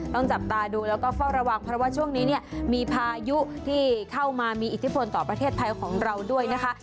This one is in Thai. ต้องจับตาดูแล้วก็เฝ้าระวังเพราะว่าช่วงนี้เนี่ยมีพายุที่เข้ามามีอิทธิพลต่อประเทศไทยของเราด้วยนะคะ